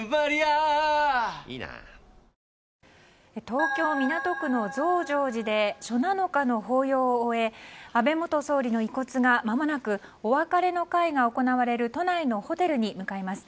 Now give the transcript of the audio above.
東京・港区の増上寺で初七日の法要を終え安倍元総理の遺骨がまもなくお別れの会が行われる都内のホテルに向かいます。